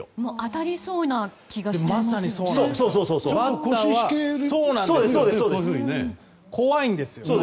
当たりそうな気がしちゃいますね。